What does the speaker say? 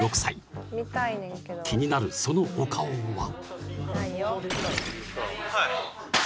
［気になるそのお顔は？］